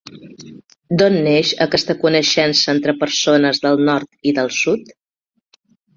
Don neix aquesta coneixença entre persones del nord i del sud?